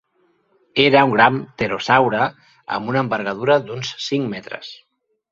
Era un gran pterosaure amb una envergadura d'uns cinc metres.